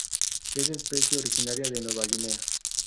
Es especie originaria de Nueva Guinea.